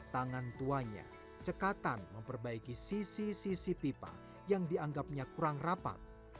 tangan tuanya cekatan memperbaiki sisi sisi pipa yang dianggapnya kurang rapat